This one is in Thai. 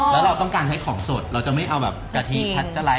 แล้วเราต้องการใช้ของสดเราจะไม่เอาแบบกะทิพัดกะไร้